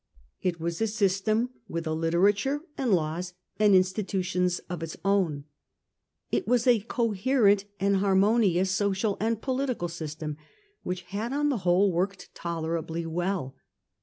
It was a system with a literature and laws and institutions of its own ; it was a coherent and harmonious social and political system which had on the whole worked tolerably well.